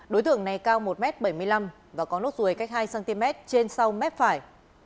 đối tượng này cao một m bảy mươi năm và có nốt ruồi cách hai cm trên sau mép phải